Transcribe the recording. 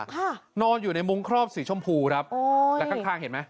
ค่ะนอนอยู่ในมุ้งครอบสีชมพูครับอ๋อแล้วข้างข้างเห็นไหม